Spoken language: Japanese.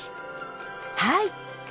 はい。